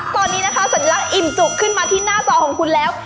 ตอนนี้นะคะสัญลักษณ์อิ่มจุกขึ้นมาที่หน้าจอของคุณแล้ว